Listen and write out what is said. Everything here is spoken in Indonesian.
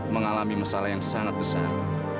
mengalami masalah yang sangat besar